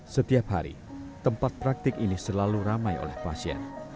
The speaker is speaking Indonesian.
setiap hari tempat praktik ini selalu ramai oleh pasien